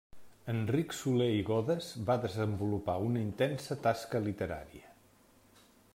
Enric Soler i Godes va desenvolupar una intensa tasca literària.